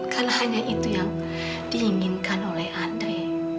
karena hanya itu yang diinginkan oleh andre